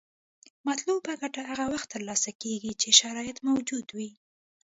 مطلوبه ګټه هغه وخت تر لاسه کیږي چې شرایط موجود وي.